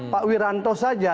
pak wiranto saja